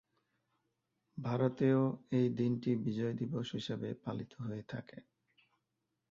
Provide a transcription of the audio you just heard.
ভারতেও এই দিনটি বিজয় দিবস হিসেবে পালিত হয়ে থাকে।